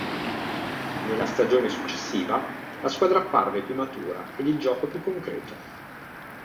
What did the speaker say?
Nella stagione successiva la squadra apparve più matura ed il gioco più concreto.